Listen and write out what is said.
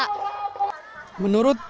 dan kegiatan yang diperlukan adalah penelitian